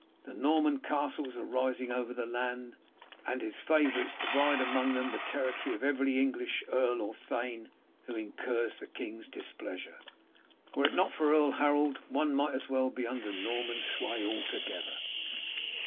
The Norman castles are rising over the land, and his favourites divide among them the territory of every English earl or thane who incurs the king's displeasure. Were it not for Earl Harold, one might as well be under Norman sway altogether."